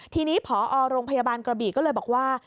ทีนี้พอโรงพยาบาลกระบี่ก็เลยบอกว่า